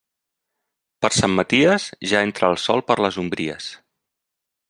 Per Sant Maties, ja entra el sol per les ombries.